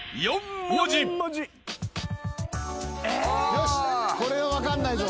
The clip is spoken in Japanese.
よしこれは分かんないぞ。